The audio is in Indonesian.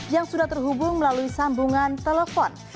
yang sudah terhubung melalui sambungan telepon